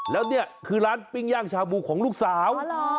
แล้วนี่คือร้านปิ้งย่างชาบูของลูกสาว